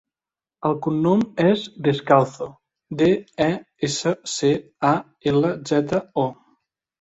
El cognom és Descalzo: de, e, essa, ce, a, ela, zeta, o.